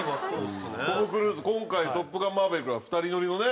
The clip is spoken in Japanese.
トム・クルーズ今回の『トップガンマーヴェリック』は２人乗りのね。